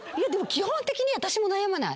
基本的に私も悩まない。